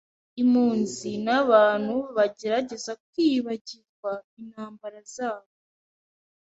impunzi ni abantus bagerageza kwibagirwa intambara zabo,